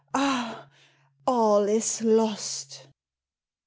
Ah ! all is lost